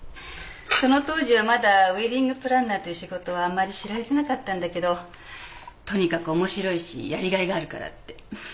その当時はまだウエディングプランナーという仕事はあまり知られてなかったんだけどとにかく面白いしやりがいがあるからって。